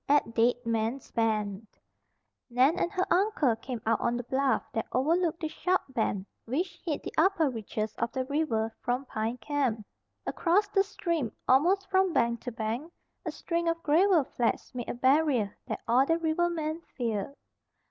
AT DEAD MAN'S BEND Nan and her uncle came out on the bluff that overlooked the sharp bend which hid the upper reaches of the river from Pine Camp. Across the stream, almost from bank to bank, a string of gravel flats made a barrier that all the rivermen feared.